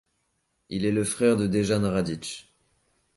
Il est le frère de Dejan Radić.